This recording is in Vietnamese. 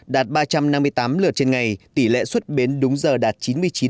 đạt ba trăm năm mươi tám lượt trên ngày tỷ lệ xuất bến đúng giờ đạt chín mươi chín